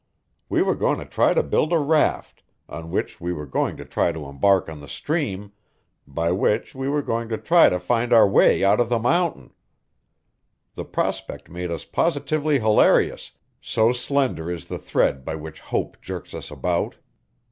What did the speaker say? We were going to try to build a raft, on which we were going to try to embark on the stream, by which we were going to try to find our way out of the mountain. The prospect made us positively hilarious, so slender is the thread by which hope jerks us about.